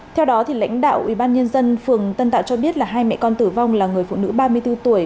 theo đó lãnh đạo ubnd phường tân tạo cho biết là hai mẹ con tử vong là người phụ nữ ba mươi bốn tuổi